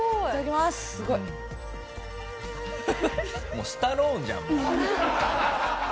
もうスタローンじゃん。